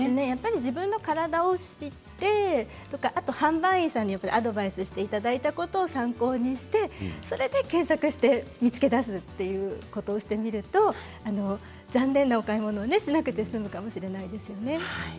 やっぱり自分の体を知ってあと販売員さんにアドバイスしていただいたことを参考にして検索して見つけ出すということをしていくと残念なお買い物をしなくて済むかもしれないですよね。